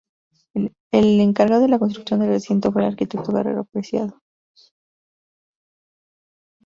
El encargado de la construcción del recinto fue el Arquitecto Guerrero Preciado.